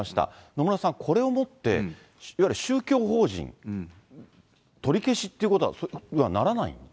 野村さん、これをもって、いわゆる宗教法人、取り消しってことにはならないの？